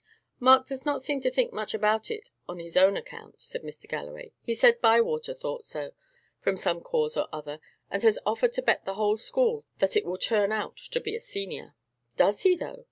"Mark does not seem to think much about it on his own account," said Mr. Galloway. "He said Bywater thought so, from some cause or other; and has offered to bet the whole school that it will turn out to be a senior." "Does he, though!"